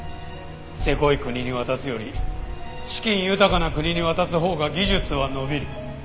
せこい国に渡すより資金豊かな国に渡すほうが技術は伸びる。